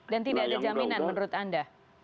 dan tidak ada jaminan menurut anda